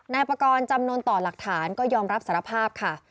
นายประกอบจำนวนต่อหลักฐานก็ยอมรับสารภาพค่ะ